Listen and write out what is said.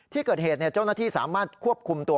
ที่เกิดเหตุเจ้าหน้าที่สามารถควบคุมตัว